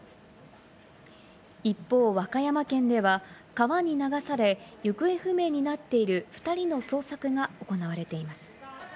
一方、和歌山県では、川に流され行方不明になっている２人の捜索が行われています。